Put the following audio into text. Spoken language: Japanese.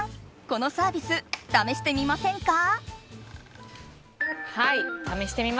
このサービス試してみませんか？